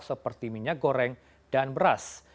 seperti minyak goreng dan beras